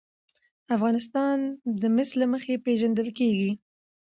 افغانستان د مس له مخې پېژندل کېږي.